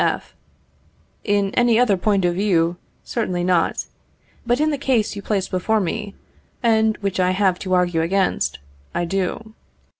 F. In any other point of view, certainly not; but in the case you place before me, and which I have to argue against, I do.